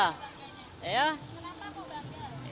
kenapa kamu bangga